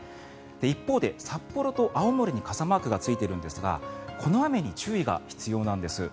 一方で、札幌と青森に傘マークがついているんですがこの雨に注意が必要なんです。